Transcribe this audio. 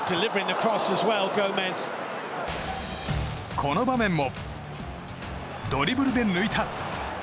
この場面もドリブルで抜いた！